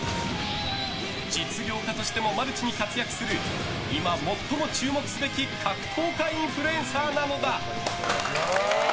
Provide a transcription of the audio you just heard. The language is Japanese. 実業家としてもマルチに活躍する今、最も注目すべき格闘家インフルエンサーなのだ。